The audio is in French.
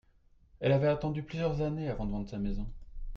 Elle avait attendu plusieurs années avant de vendre sa maison.